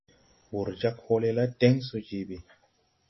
Wūr jāg hɔɔle la deŋ so je bi.